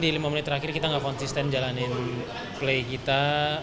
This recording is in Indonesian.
di lima menit terakhir kita nggak konsisten jalanin play kita